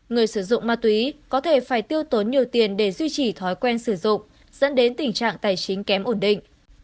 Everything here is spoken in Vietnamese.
người sử dụng ma túy có thể phải tiêu tốn nhiều tiền để duy trì thói quen sử dụng dẫn đến tình trạng tài chính kém ổn định